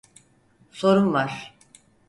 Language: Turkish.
Sorum var.